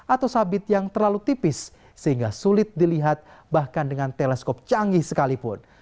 atau sabit yang terlalu tipis sehingga sulit dilihat bahkan dengan teleskop canggih sekalipun